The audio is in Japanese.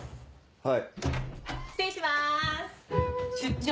はい！